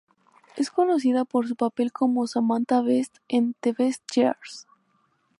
Es conocida por su papel como Samantha Best en "The Best Years".